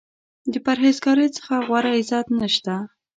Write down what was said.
د پرهیز ګارۍ څخه غوره عزت نشته.